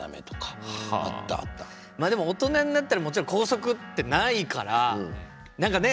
まあでも大人になったらもちろん校則ってないから何かね